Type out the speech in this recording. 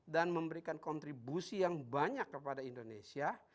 dan memberikan kontribusi yang banyak kepada indonesia